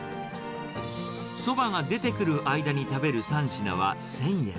そばが出てくる間に食べる３品は１０００円。